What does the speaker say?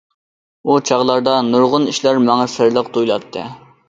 ئۇ چاغلاردا نۇرغۇن ئىشلار ماڭا سىرلىق تۇيۇلاتتى.